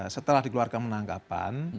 setelah dikeluarkan penangkapan